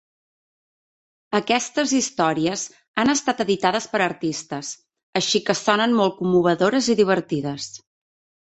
Aquestes històries han estat editades per artistes, així que sonen molt commovedores i divertides.